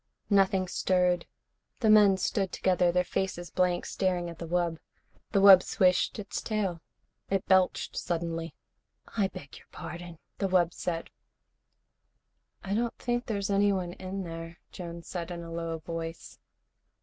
Nothing stirred. The men stood together, their faces blank, staring at the wub. The wub swished its tail. It belched suddenly. "I beg your pardon," the wub said. "I don't think there's anyone in there," Jones said in a low voice.